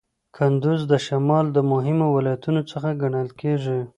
کندز د شمال د مهمو ولایتونو څخه ګڼل کیږي.